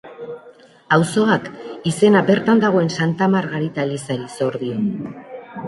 Auzoak izena bertan dagoen Santa Margarita elizari zor dio.